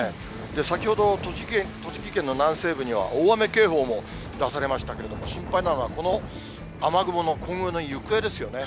先ほど、栃木県の南西部には大雨警報も出されましたけれども、心配なのは、この雨雲の今後の行方ですよね。